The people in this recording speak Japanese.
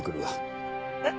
えっ？